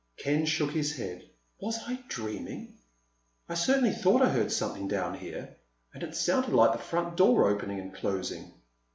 Ken shook his head. "Was I dreaming? I certainly thought I heard something down here. And it sounded like the front door opening and closing."